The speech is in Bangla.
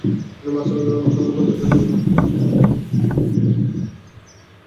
তিনি বার্সেলোনা, গিরোনা এবং ওসোনার কাউন্টেসের সঙ্গী হন।